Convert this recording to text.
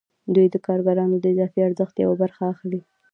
دوی د کارګرانو د اضافي ارزښت یوه برخه اخلي